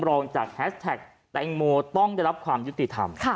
รองจากแฮสแท็กแตงโมต้องได้รับความยุติธรรม